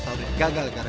tidak ada apa apa